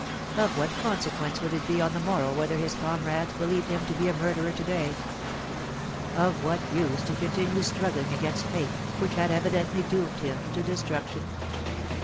Of what consequence would it be on the morrow whether his comrades believed him to be a murderer to day ? Of what use to continue struggling against fate, which had evidently doomed him to destruction